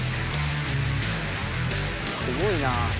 すごいなあ。